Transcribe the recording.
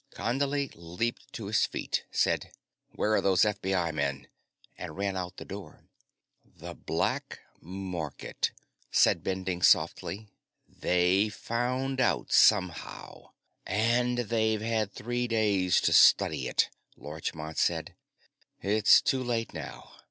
Condley leaped to his feet, said: "Where are those FBI men?" and ran out the door. "The black market," said Bending softly. "They found out somehow." "And they've had three days to study it," Larchmont said. "It's too late now.